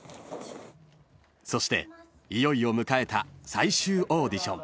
［そしていよいよ迎えた最終オーディション］